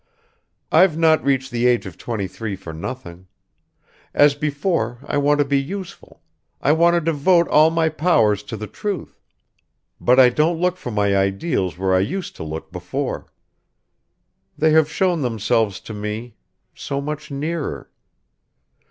"I've not reached the age of twenty three for nothing; as before I want to be useful, I want to devote all my powers to the truth; but I don't look for my ideals where I used to look before; they have shown themselves to me ... so much nearer.